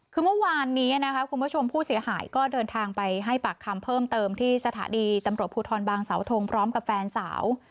คือเมื่อวานนี้นะคะคุณผู้ชมผู้เสียหายก็เดินทางไปให้ปากคำเพิ่มเติมที่สถานีตำรวจภูทรบางสาวทงพร้อมกับแฟนสาว